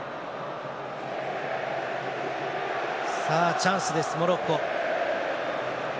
チャンスです、モロッコ。